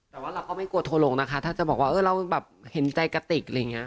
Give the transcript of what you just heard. แต่ว่าเราก็ไม่กลัวโทรลงนะคะถ้าจะบอกว่าเออเราแบบเห็นใจกระติกอะไรอย่างนี้